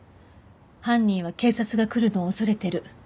犯人は警察が来るのを恐れてる。